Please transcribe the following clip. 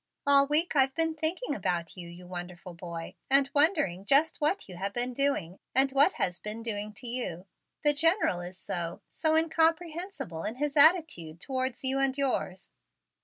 "All week I've been thinking about you, you wonderful boy, and wondering just what you have been doing and what has been doing to you. The General is so so incomprehensible in his attitude towards you and yours.